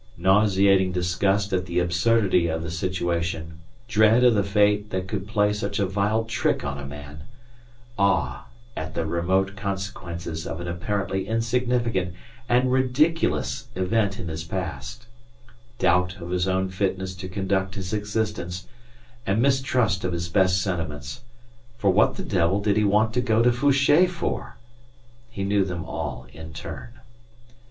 Nauseating disgust at the absurdity of the situation, dread of the fate that could play such a vile trick on a man, awe at the remote consequences of an apparently insignificant and ridiculous event in his past, doubt of his own fitness to conduct his existence and mistrust of his best sentiments for what the devil did he want to go to Fouché for? he knew them all in turn.